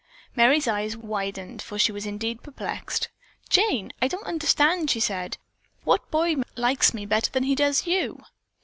Merry's eyes widened, for she was indeed perplexed, "Jane, I don't understand," she said. "What boy likes me better than he does you?"